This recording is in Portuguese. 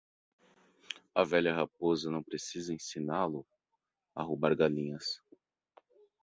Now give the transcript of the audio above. A velha raposa não precisa ensiná-lo a roubar galinhas.